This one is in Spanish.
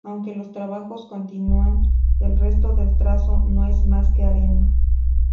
Aunque los trabajos continúan, el resto del trazado no es más que arena.